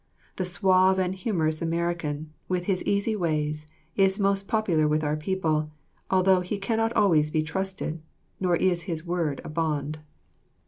The suave and humorous American, with his easy ways, is most popular with our people, although he cannot always be trusted nor is his word a bond.